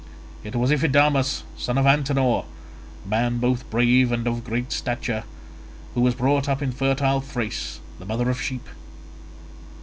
It was Iphidamas son of Antenor, a man both brave and of great stature, who was brought up in fertile Thrace, the mother of sheep.